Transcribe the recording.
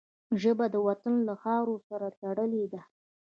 ژبه د وطن له خاورو سره تړلې ده